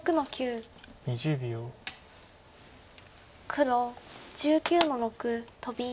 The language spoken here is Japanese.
黒１９の六トビ。